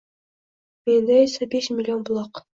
menda esa — besh million buloq...